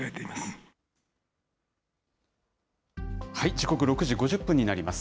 時刻、６時５０分になります。